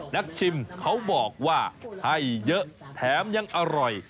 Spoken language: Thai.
ชิมเขาบอกว่าให้เยอะแถมยังอร่อย